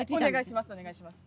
お願いします